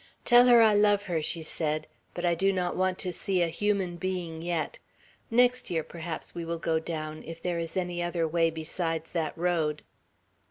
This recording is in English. "Tell her I love her," she said, "but I do not want to see a human being yet; next year perhaps we will go down, if there is any other way besides that road."